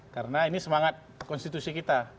karena ini semangat konstitusi kita